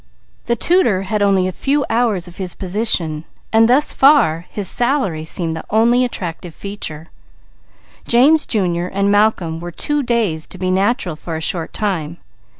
The tutor had only a few hours of his position, and thus far his salary seemed the attractive feature. James Jr. and Malcolm were too dazed to be natural for a short time.